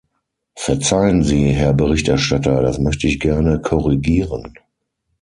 Verzeihen Sie, Herr Berichterstatter, das möchte ich gerne korrigieren.